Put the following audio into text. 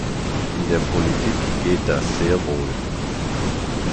In der Politik geht das sehr wohl.